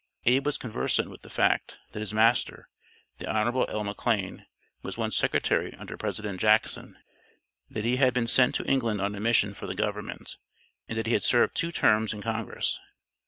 Abe was conversant with the fact, that his master, the "Hon. L. McLane, was once Secretary under President Jackson;" that he had been "sent to England on a mission for the Government," and that he had "served two terms in Congress."